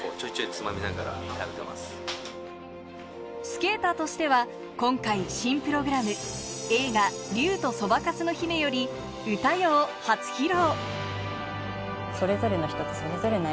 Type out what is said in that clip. スケーターとしては今回新プログラム映画『竜とそばかすの姫』より『歌よ』を初披露